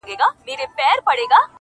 نه پوهېږم چي په څه سره خـــنـــديــــږي.